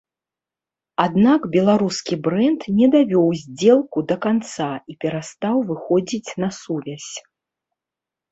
Аднак беларускі брэнд не давёў здзелку да канца, і перастаў выходзіць на сувязь.